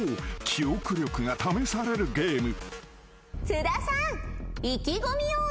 ［記憶力が試されるゲーム］